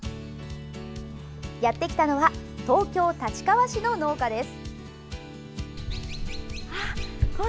やってきたのは東京・立川市の農家です。